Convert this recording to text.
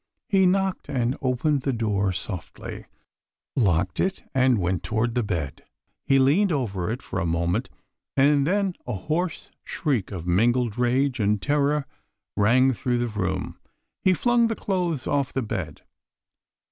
He knocked and opened the door softly: locked it, and went toward the bed. He leaned over it for a moment, and then a hoarse shriek of mingled rage and terror rang through the room. He flung the clothes off the bed.